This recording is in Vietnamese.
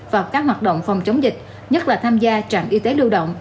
vào các hoạt động phòng chống dịch nhất là tham gia trạm y tế lưu động